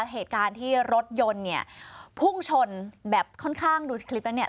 เหตุการณ์ที่รถยนต์เนี่ยพุ่งชนแบบค่อนข้างดูสคริปต์แล้วเนี่ย